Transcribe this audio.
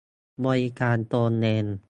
บริการตนเอง